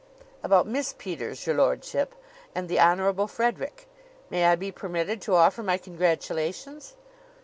"About Miss Peters, your lordship, and the Honorable Frederick. May I be permitted to offer my congratulations?"